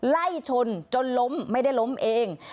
ไล่ชนจนล้มไม่ได้ล้มเอง